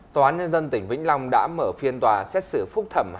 tòa án nhân dân tỉnh vĩnh long đã mở phiên tòa xét xử phúc thẩm